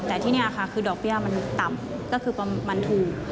แต่ที่นี่ค่ะคือดอกเบี้ยมันต่ำก็คือมันถูก